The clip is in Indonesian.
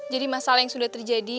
jadi masalah yang sudah terjadi